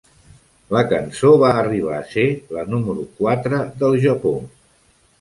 La cançó va arribar a ser la número quatre del Japó.